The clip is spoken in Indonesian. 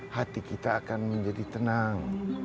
hati kita akan menjadi tenang